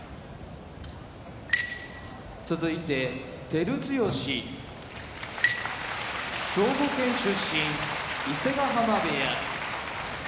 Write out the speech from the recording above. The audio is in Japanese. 照強兵庫県出身伊勢ヶ濱部屋